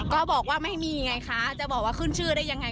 ก็บอกว่าไม่มีไงคะจะบอกว่าขึ้นชื่อได้ยังไง